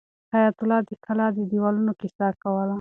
حیات الله د کلا د دیوالونو کیسه کوله.